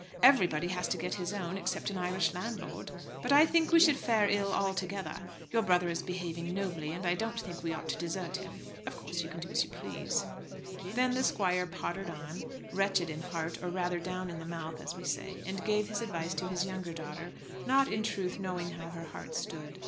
Everybody has to get his own, except an Irish landlord. But I think we should fare ill all together. Your brother is behaving nobly, and I don't think we ought to desert him. Of course you can do as you please." Then the squire pottered on, wretched in heart; or, rather, down in the mouth, as we say, and gave his advice to his younger daughter, not, in truth, knowing how her heart stood.